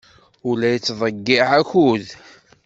Ur la yettḍeyyiɛ akud.